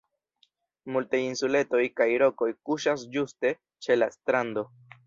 Multaj insuletoj kaj rokoj kuŝas ĝuste ĉe la strando.